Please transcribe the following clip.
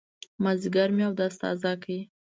مازيګر مې اودس تازه کړ.